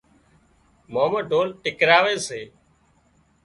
مامو ڍول ٽِڪراوي سي